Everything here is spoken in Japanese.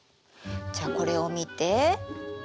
じゃあこれを見て。